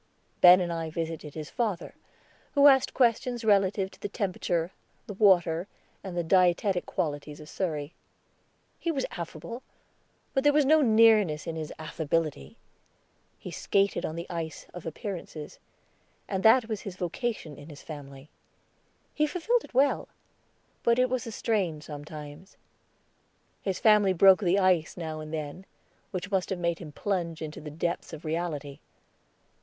Ben and I visited his father, who asked questions relative to the temperature, the water, and the dietetic qualities of Surrey. He was affable, but there was no nearness in his affability. He skated on the ice of appearances, and that was his vocation in his family. He fulfilled it well, but it was a strain sometimes. His family broke the ice now and then, which must have made him plunge into the depths of reality.